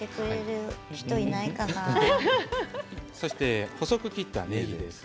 そして細く切ったねぎですね。